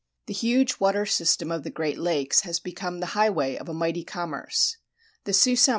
The huge water system of the Great Lakes has become the highway of a mighty commerce. The Sault Ste.